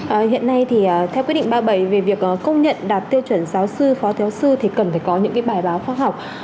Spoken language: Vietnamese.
hiện nay thì theo quyết định ba mươi bảy về việc công nhận đạt tiêu chuẩn giáo sư phó giáo sư thì cần phải có những cái bài báo khoa học